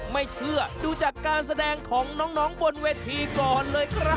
ไม่เชื่อดูจากการแสดงของน้องบนเวทีก่อนเลยครับ